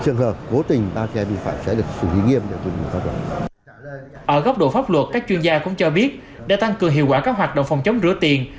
ở góc độ pháp luật các chuyên gia cũng cho biết để tăng cường hiệu quả các hoạt động phòng chống rửa tiền